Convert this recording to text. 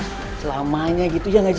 selamanya gitu iya gak sih